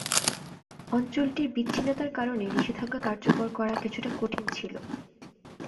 অঞ্চলটির বিচ্ছিন্নতার কারণে নিষেধাজ্ঞা কার্যকর করা কিছুটা কঠিন ছিল।